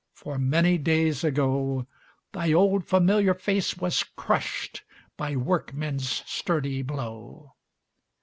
For many days ago Thy old familiar face was crushed By workmen's sturdy blow.